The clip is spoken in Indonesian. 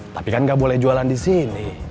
tapi kan nggak boleh jualan di sini